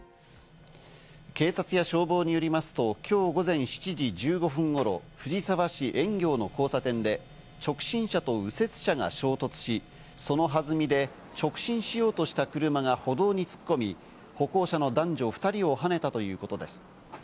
警察や消防によりますと今日午前７時１５分頃、藤沢市円行の交差点で直進車と右折車が衝突し、その弾みで直進しようとした車が歩道に突っ込み、歩行者の男女２人をはねたということです。